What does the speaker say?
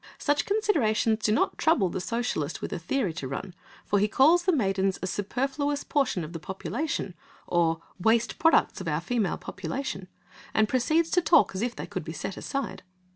Such considerations do not trouble the sciolist with a theory to run, for he calls the maidens a "superfluous portion of the population," or "waste products of our female population," and proceeds to talk as if they could be set aside.